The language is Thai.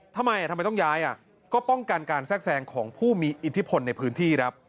ทำไมทำไมต้องย้ายก็ป้องกันการแทรกแซงของผู้มีอิทธิพลในพื้นที่ครับ